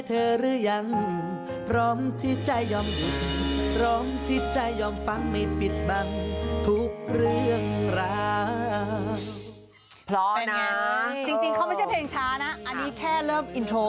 เพราะนะจริงจริงเขาไม่ใช่เพลงช้านะอันนี้แค่เริ่มขึ้นมา